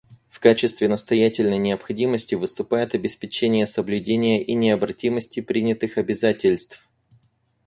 В качестве настоятельной необходимости выступает обеспечение соблюдения и необратимости принятых обязательств.